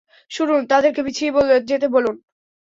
শুনুন, তাদেরকে পিছিয়ে যেতে বলুন।